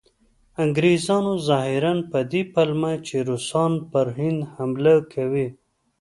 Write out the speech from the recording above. انګریزانو ظاهراً په دې پلمه چې روسان پر هند حمله کوي.